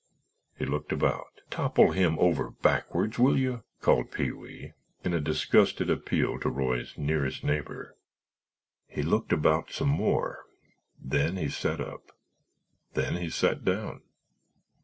He looked about." "Topple him over backwards, will you!" called Pee wee, in a disgusted appeal to Roy's nearest neighbor. "He looked about some more. Then he sat up. Then he sat down.